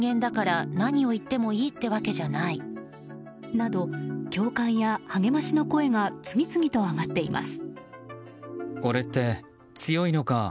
など、共感や励ましの声が次々と上がっています。